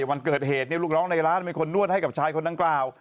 วันเกิดเหตุลูกน้องในร้านเป็นคนนวดให้กับชายคนดังกล่าว